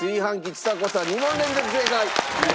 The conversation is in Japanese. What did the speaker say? ちさ子さん２問連続正解！